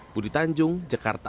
budi tanjung jakarta